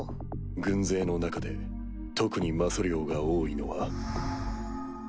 軍勢の中で特に魔素量が多いのは。